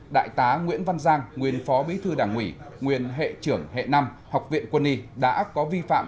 đại tá nguyễn văn giang nguyên phó bí thư đảng ủy nguyên hệ trưởng hệ năm học viện quân y đã có vi phạm